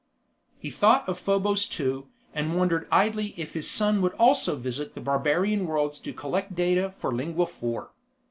He thought of Probos Two and wondered idly if his son would also visit the barbarian worlds to collect data for Lingua Four.